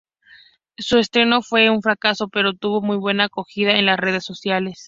Su estreno fue un fracaso, pero tuvo muy buena acogida en las redes sociales.